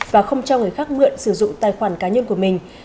và không cho người khác mượn sử dụng tài khoản cá nhân của mình